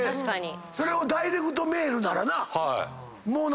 それをダイレクトメールならな。